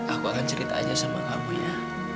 aku akan ceritanya sama kamu ya